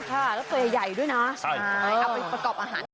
ใช่แล้วก็เฟรใหญ่ด้วยนะเอาไปประกอบอาหาร